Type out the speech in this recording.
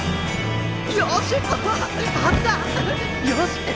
よし！